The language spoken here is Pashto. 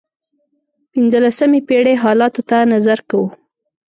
پنځلسمې پېړۍ حالاتو ته نظر کوو.